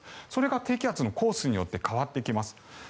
それが低気圧のコースによって変わってきます。